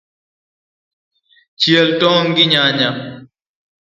Chiel tong’ gi nyanya.